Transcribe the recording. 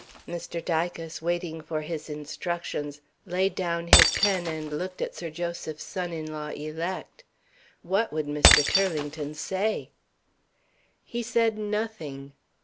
Mr. Dicas, waiting for his instructions, laid down his pen and looked at Sir Joseph's son in law elect. What would Mr. Turlington say? He said nothing.